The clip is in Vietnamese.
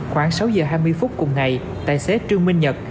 khoảng sáu giờ hai mươi phút cùng ngày tài xế trương minh nhật